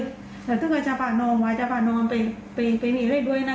แล้วถ้าเธอก็จะพาน้องไว้จะพาน้องไปมีเรื่องด้วยนะ